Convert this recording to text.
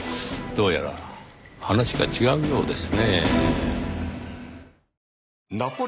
どうやら話が違うようですねぇ。